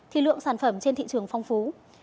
thì lượng sản phẩm trên thị trường phong phú